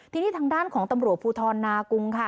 ทีนี้ทางด้านของตำรวจภูทรนากุงค่ะ